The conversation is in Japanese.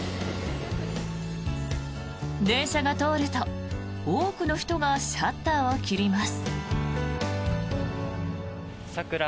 電車が通ると多くの人がシャッターを切ります。